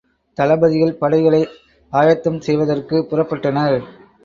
தளபதிகள் படைகளை ஆயத்தம் செய்வதற்குப் புறப்பட்டனர்.